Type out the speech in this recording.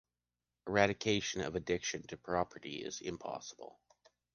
Eradication of addiction to property is impossible.